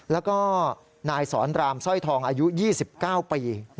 แล้วก็นายสอนรามสร้อยทองอายุ๒๙ปี